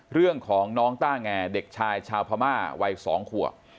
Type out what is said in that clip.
เรื่องของน้องต้าแงเด็กชายชาวพม่าวัย๒ขวบ